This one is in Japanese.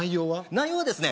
内容はですね